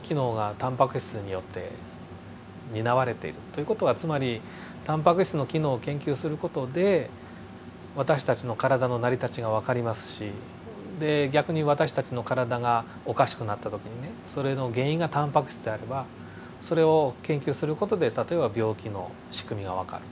ということはつまりタンパク質の機能を研究する事で私たちの体の成り立ちが分かりますしで逆に私たちの体がおかしくなった時にねそれの原因がタンパク質であればそれを研究する事で例えば病気の仕組みが分かる。